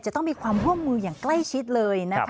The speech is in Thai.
จะต้องมีความร่วมมืออย่างใกล้ชิดเลยนะคะ